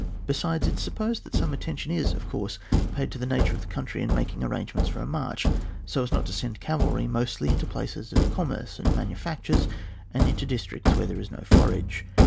Besides, it is supposed that some attention is, of course, paid to the nature of the country in making arrangements for a march, so as not to send cavalry mostly into places of commerce and manufactures, and into districts where there is no forage.